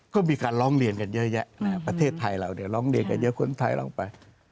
ก็มีการร้องเรียนกันเยอะแยะประเทศไทยเราร้องเรียนกันเยอะคนไทยร้องไป